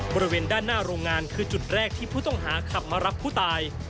บริเวณด้านหน้าโรงงานคือจุดแรกที่ผู้ต้องหาขับมารับผู้ตาย